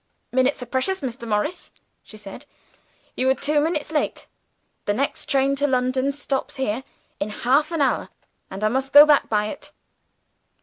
"Minutes are precious, Mr. Morris," she said; "you are two minutes late. The next train to London stops here in half an hour and I must go back by it."